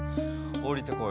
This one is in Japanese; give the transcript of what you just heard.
降りてこい！